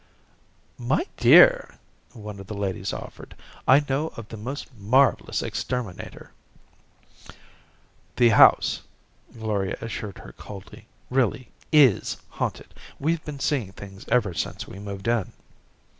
"My dear," one of the ladies offered, "I know of the most marvelous exterminator " "The house," Gloria assured her coldly, "really is haunted. We've been seeing things ever since we moved in."